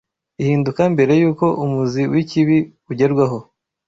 ihinduka mbere y’uko umuzi w’ikibi ugerwaho